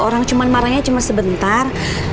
orang marahnya cuma sebentar